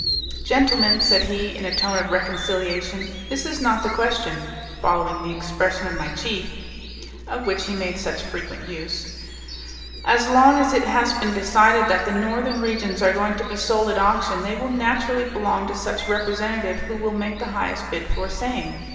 "Gentlemen," said he, in a tone of reconciliation, "this is not the question, following the expression of my chief," of which he made such frequent use. "As long as it has been decided that the Northern regions are going to be sold at auction, they will naturally belong to such representative who will make the highest bid for same.